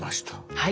はい。